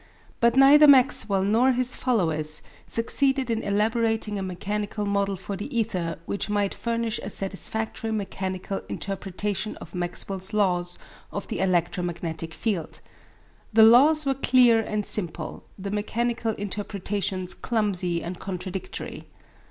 But neither Maxwell nor his followers succeeded in elaborating a mechanical model for the ether which might furnish a satisfactory mechanical interpretation of Maxwell's laws of the electro magnetic field. The laws were clear and simple, the mechanical interpretations clumsy and contradictory.